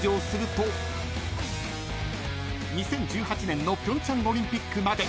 ［２０１８年のピョンチャンオリンピックまで］